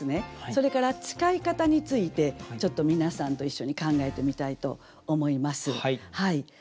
それから使い方についてちょっと皆さんと一緒に考えてみたいと思います。